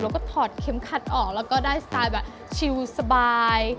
แล้วก็ถอดเข็มขัดออกแล้วก็ได้สไตล์แบบชิลสบาย